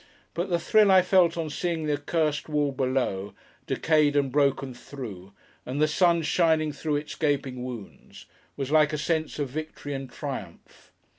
But, the thrill I felt on seeing the accursed wall below, decayed and broken through, and the sun shining in through its gaping wounds, was like a sense of victory and triumph.